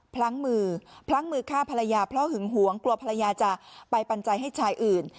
พลั้งมือพลั้งมือฆ่าภรรยาเพราะหึงหวงกลัวภรรยาจะไปปัญญาให้ชายอื่น